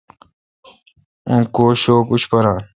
اون کو شوک اوشپاران